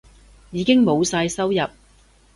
已經冇晒收入